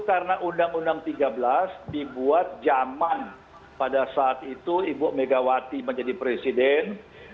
karena undang undang tiga belas dibuat zaman pada saat itu ibu megawati menjadi presiden